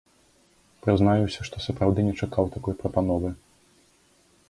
Прызнаюся, што сапраўды не чакаў такой прапановы.